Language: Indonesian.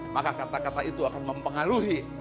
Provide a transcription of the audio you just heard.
maka kata kata itu akan mempengaruhi